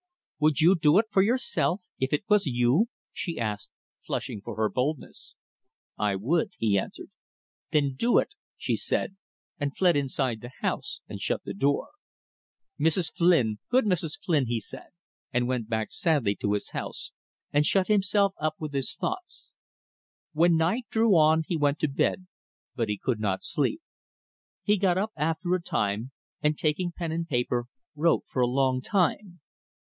"Would you do it yourself if it was you?" she asked, flushing for her boldness. "I would," he answered. "Then do it," she said, and fled inside the house and shut the door. "Mrs. Flynn good Mrs. Flynn!" he said, and went back sadly to his house, and shut himself up with his thoughts. When night drew on he went to bed, but he could not sleep. He got up after a time, and taking pen and paper, wrote for a long time.